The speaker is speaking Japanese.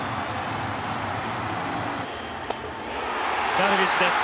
ダルビッシュです。